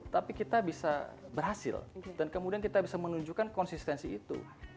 tapi kita bisa berhasil dan kemudian kita bisa menunjukkan konsistensi itu